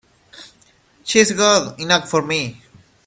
She's good enough for me!